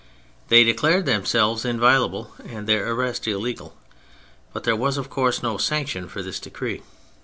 They declared themselves in violable and their arrest illegal, but there was, of course, no sanction for this decree.